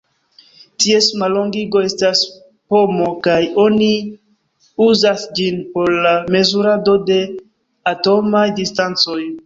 Ties mallongigo estas pm kaj oni uzas ĝin por la mezurado de atomaj distancoj.